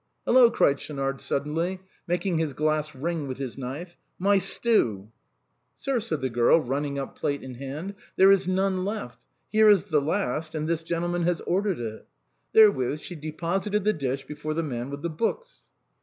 " Hello !" cried Schaunard suddenly, making his glass ring with his knife, " my stew !"" Sir," said the girl, running up plate in hand, " there is 20 THE BOHEMIANS OP THE LATIN QUARTER. none left; here is the last, and this gentleman has ordered it." Therewith she deposited the dish before the man with the books.